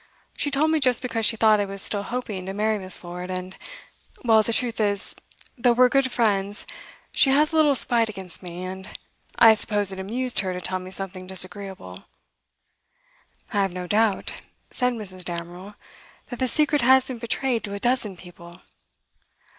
She told me just because she thought I was still hoping to marry Miss. Lord, and well, the truth is, though we're good friends, she has a little spite against me, and I suppose it amused her to tell me something disagreeable.' 'I have no doubt,' said Mrs. Damerel, 'that the secret has been betrayed to a dozen people.